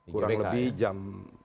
kurang lebih jam empat belas